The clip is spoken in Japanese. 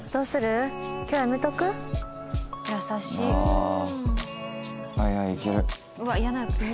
ああ。